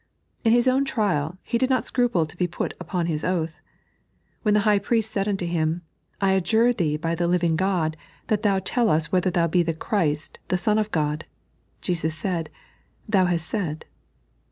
In His own trial, He did not scruple to be put upon His oath. When the High Priest said unto Him, "I adjura Thee by the living God, that Thou tell us whether Thou be the Christ, the Son of God," Jesus said, " Thou hast said."